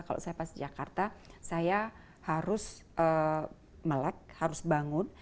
kalau saya pas jakarta saya harus melek harus bangun